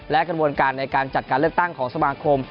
และกระบวนการในการจัดการเลือกตั้งของสมาคม